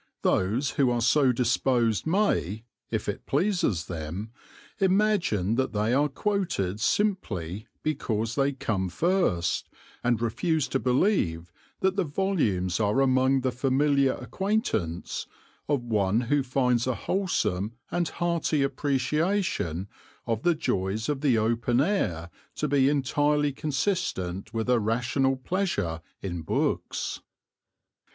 Those who are so disposed may, if it pleases them, imagine that they are quoted simply because they come first, and refuse to believe that the volumes are among the familiar acquaintance of one who finds a wholesome and hearty appreciation of the joys of the open air to be entirely consistent with a rational pleasure in books.